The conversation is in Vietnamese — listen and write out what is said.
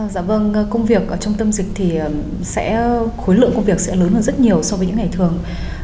dạ vâng công việc trong tâm dịch thì khối lượng công việc sẽ lớn hơn rất nhiều so với những ngày thường